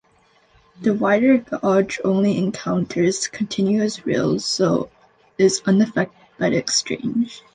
The wider gauge only encounters continuous rail so is unaffected by the exchange.